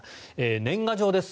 年賀状です。